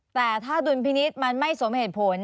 แต่ถ้าดุลพินิษฐ์มันไม่สมเหตุผล